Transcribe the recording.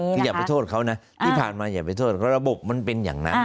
คืออย่าไปโทษเขานะที่ผ่านมาอย่าไปโทษเพราะระบบมันเป็นอย่างนั้น